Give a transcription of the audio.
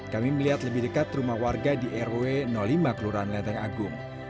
kami melihat lebih dekat rumah warga di rw lima kelurahan lenteng agung